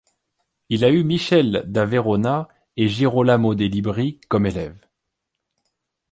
Il a eu Michele da Verona et Girolamo Dai Libri comme élèves.